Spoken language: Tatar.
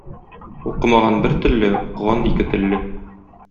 Укымаган бер телле, укыган ике телле.